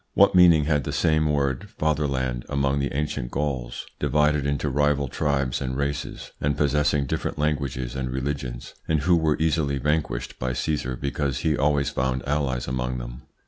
What meaning had the same word "fatherland" among the ancient Gauls, divided into rival tribes and races, and possessing different languages and religions, and who were easily vanquished by Caesar because he always found allies among them?